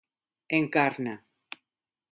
Encarna.